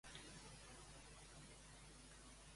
Ens reproduiries a la sala l'audiollibre "El fibló"?